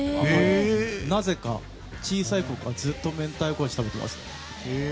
なぜか小さいころからずっとめんたい味食べています。